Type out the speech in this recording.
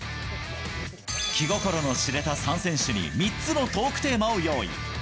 気心の知れた３選手に３つのトークテーマを用意。